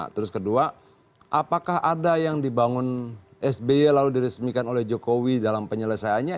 terus kedua apakah ada yang dibangun sby lalu diresmikan oleh jokowi dalam penyelesaiannya